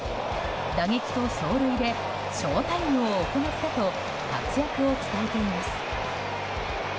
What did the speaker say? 打撃と走塁でショウタイムを行ったと活躍を伝えています。